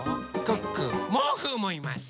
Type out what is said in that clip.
クックーモウフーもいます。